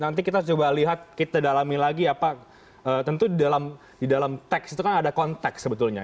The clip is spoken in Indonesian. nanti kita coba lihat kita dalami lagi apa tentu di dalam teks itu kan ada konteks sebetulnya